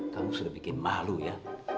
kamu sudah bikin malu ya